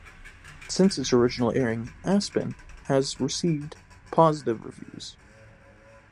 Since its original airing "Asspen" has received positive reviews.